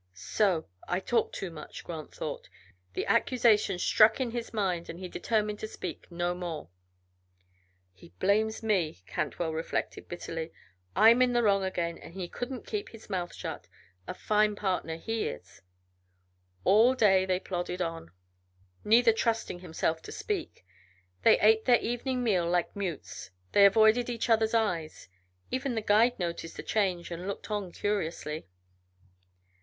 "So! I talk too much," Grant thought. The accusation struck in his mind and he determined to speak no more. "He blames me," Cantwell reflected, bitterly. "I'm in wrong again and he couldn't keep his mouth shut. A fine partner, he is!" All day they plodded on, neither trusting himself to speak. They ate their evening meal like mutes; they avoided each other's eyes. Even the guide noticed the change and looked on curiously.